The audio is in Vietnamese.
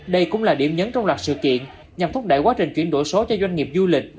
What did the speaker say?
đây cũng là điểm nhấn trong loạt sự kiện nhằm thúc đẩy quá trình chuyển đổi số cho doanh nghiệp du lịch